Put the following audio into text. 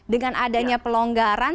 dengan adanya pelonggaran